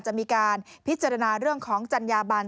จะมีการพิจารณาเรื่องของจัญญาบัน